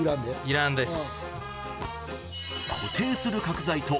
いらんです。